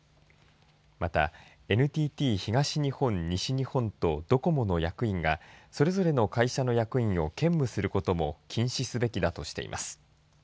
また、ＮＴＴ東日本、西日本とドコモの役員がそれぞれの会社の役員を兼務することも禁止すべきだとしています。